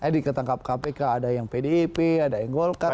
diketangkap kpk ada yang pdp ada yang golkar